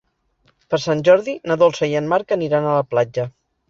Per Sant Jordi na Dolça i en Marc aniran a la platja.